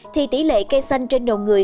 thì tỉ lệ cây xanh trên đầu người